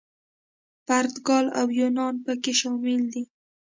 پرتګال او یونان پکې شامل دي.